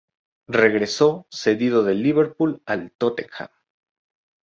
Regresó cedido del Liverpool al Tottenham.